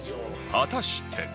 果たして